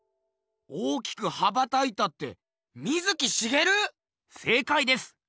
大きく羽ばたいたって水木しげる⁉せいかいです！